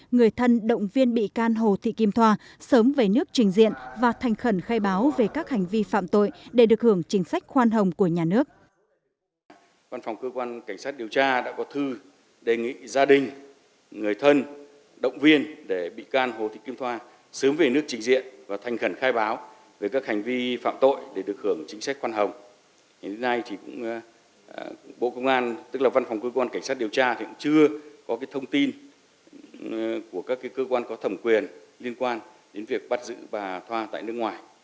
người thân động viên bị can hồ thị kim thoa sớm về nước trình diện và thành khẩn khai báo về các hành vi phạm tội để được hưởng chính sách khoan hồng của nhà nước